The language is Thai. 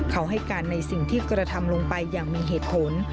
เขาให้การในสิ่งที่กระทำลงไปอย่างมีเหตุผล